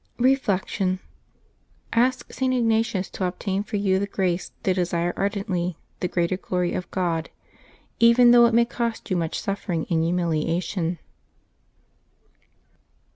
Reflection. — Ask St. Ignatius to obtain for you the grace to desire ardently the greater glory of God, even though it may cost you much suffering and humiliation.